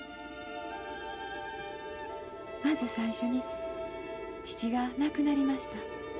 「まず最初に父が亡くなりました。